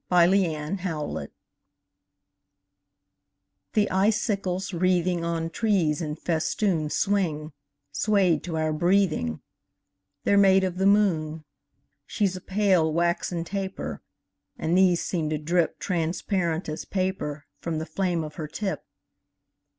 SILVER FILIGREE The icicles wreathing On trees in festoon Swing, swayed to our breathing: They're made of the moon. She's a pale, waxen taper; And these seem to drip Transparent as paper From the flame of her tip.